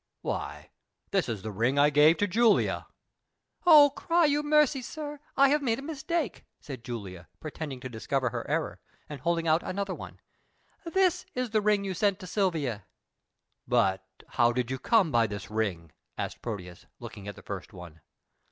Why, this is the ring I gave to Julia." "Oh, cry you mercy, sir, I have made a mistake," said Julia, pretending to discover her error, and holding out another one. "This is the ring you sent to Silvia." "But how did you come by this ring?" asked Proteus, looking at the first one.